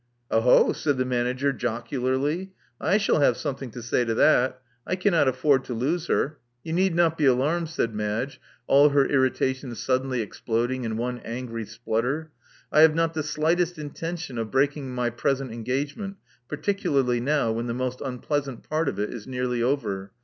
Oho!'* said the manager, jocularly, I shall have something to say to that. I cannot afford to lose her." Love Among the Artists 155 You need not be alarmed," said Madge, all her irritation suddenly exploding in one angry splutter. I have not the slightest intention of breaking my present engagement, particularly now, when the most unpleasant part of it is nearly over.